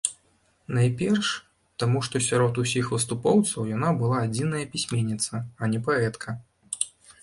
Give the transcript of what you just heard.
Найперш таму, што сярод усіх выступоўцаў яна была адзіная пісьменніца, а не паэтка.